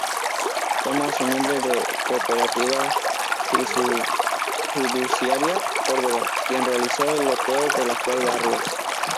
Toma su nombre de "Cooperativa Fiduciaria Córdoba", quien realizó el loteo del actual barrio.